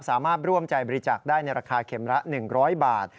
สามารถร่วมใจบริจาคได้ในราคาเข็มละ๑๐๐บาท